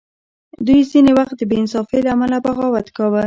دوی ځینې وخت د بې انصافۍ له امله بغاوت کاوه.